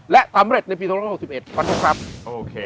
และสำเร็จในปีสองร้อยหกสิบเอ็ดขออนุญาตครับโอเค